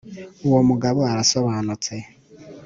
uwo mugabo arasobanutse